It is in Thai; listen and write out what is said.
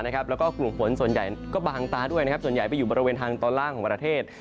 แล้วก็กลุ่มฝนส่วนใหญ่ก็บางตาด้วยส่วนใหญ่ไปอยู่บริเวณทางตอนล่างของประเทศ